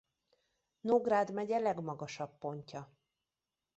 Nógrád megye legmagasabb pontja.